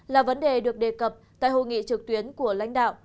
là vấn đề được đề cập tại hội nghị trực tuyến của lãnh đạo